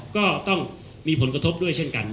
ก็ต้องมีผลกระทบด้วยเช่นกัน